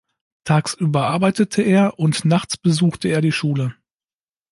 Tagsüber arbeitete er und nachts besuchte er die Schule.